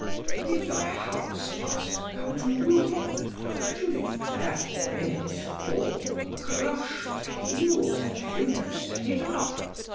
If thy house must come to ruin, should it therefore in its fall crush the heels of him that set it up?